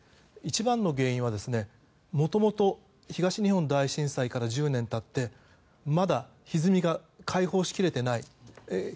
一番の原因はもともと東日本大震災から１０年経って、まだひずみが開放しきれていない。